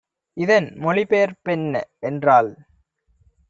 இதன் மொழிபெயர்ப் பென்ன என்றால்